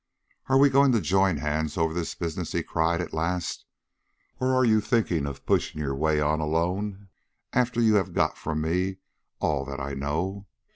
"Are we going to join hands over this business?" he cried, at last, "or are you thinking of pushing your way on alone after you have got from me all that I know?"